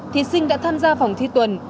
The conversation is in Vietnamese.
thí sinh đã tham gia phòng thi tuần